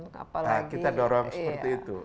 kita dorong seperti itu